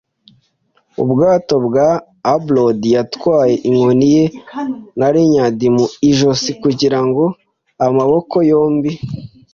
Ubwato bwa Aboard yatwaye inkoni ye na lanyard mu ijosi, kugira amaboko yombi